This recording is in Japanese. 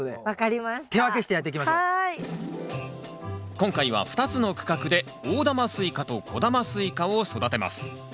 今回は２つの区画で大玉スイカと小玉スイカを育てます。